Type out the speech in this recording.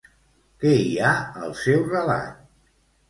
Què hi ha al seu relat?